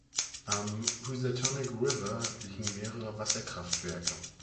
Am Housatonic River liegen mehrere Wasserkraftwerke.